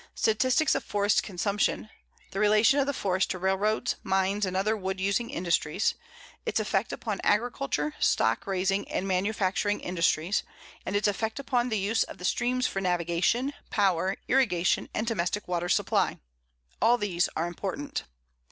Statistics of forest consumption; the relation of the forest to railroads, mines, and other wood using industries; its effect upon agriculture, stock raising, and manufacturing industries; and its effect upon the use of the streams for navigation, power, irrigation, and domestic water supply; all these are important.